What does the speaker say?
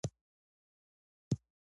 که مورنۍ ژبه وي، نو د زده کړې سطحه لوړه وي.